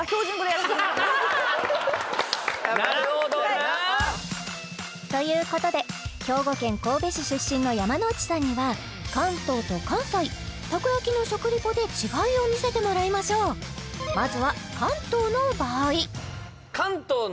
やっぱなそうやなということで兵庫県神戸市出身の山之内さんには関東と関西たこ焼きの食リポで違いを見せてもらいましょうまずは関東の場合